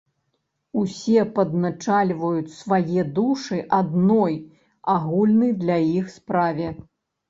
Усе падначальваюць свае душы адной, агульнай для іх справе.